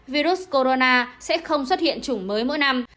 virus corona sẽ không xuất hiện chủng mới mỗi năm